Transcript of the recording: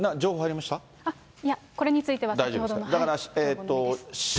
いや、これについては先ほどの。